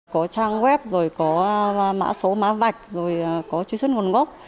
có trang web có mã số mã vạch có truy xuất nguồn gốc